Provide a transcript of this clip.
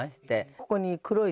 ここに。